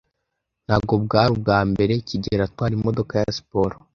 Ntabwo bwari ubwa mbere kigeli atwara imodoka ya siporo.